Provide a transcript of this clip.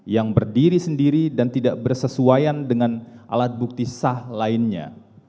yang berdiri sendiri dan tidak bersesuaian dengan alat bukti sah lainnya